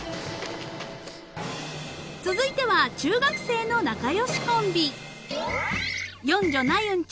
［続いては中学生の仲良しコンビ］